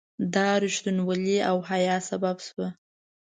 دا رښتینولي او حیا سبب شوه.